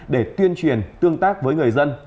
để tuyên truyền tương tác với người dân